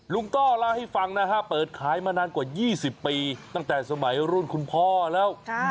ต้อเล่าให้ฟังนะฮะเปิดขายมานานกว่า๒๐ปีตั้งแต่สมัยรุ่นคุณพ่อแล้ว